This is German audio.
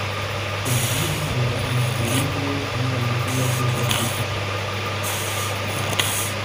In Lima wurde ein „Collegio Santa Maria Goretti“ errichtet.